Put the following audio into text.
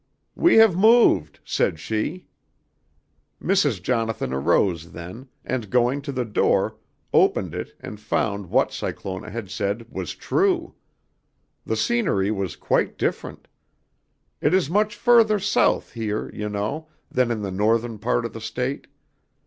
"'We have moved,' said she. "Mrs. Jonathan arose then, and going to the door, opened it and found that what Cyclona had said was true. The scenery was quite different. It is much further south here, you know, than in the northern part of the State.